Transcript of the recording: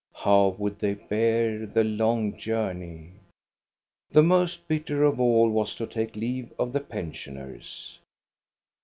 How would they bear the long journey.' The most bitter of all was to take leave of the pensioners.